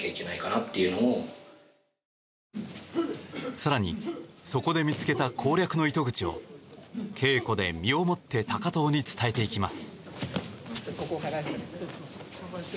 更にそこで見つけた攻略の糸口を稽古で身をもって高藤に伝えていきます。